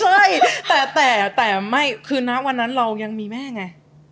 ก็ใช่ในวันนั้นเรายังมีแม่ไง